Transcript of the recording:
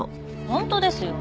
本当ですよ。